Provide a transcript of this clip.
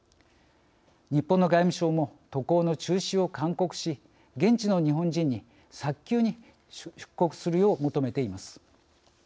日本の外務省も渡航の中止を勧告し現地の日本人に早急に出国するよう求めています。